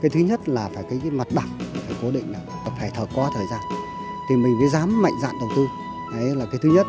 cái thứ nhất là phải cái mặt đặc phải cố định phải thở qua thời gian thì mình mới dám mạnh dạng đầu tư đấy là cái thứ nhất